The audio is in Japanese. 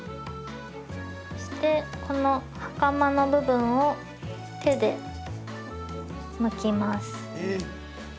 そして、このはかまの部分を手でむきます。